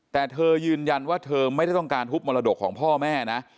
แต่เธอยืนยันว่าเธอไม่ได้ต้องการทุบมรดกของพ่อแม่นะ